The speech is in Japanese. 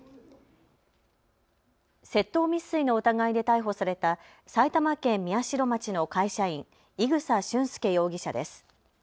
窃盗未遂の疑いで逮捕された埼玉県宮代町の会社員、伊草俊輔容疑者です。